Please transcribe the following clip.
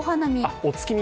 お月見！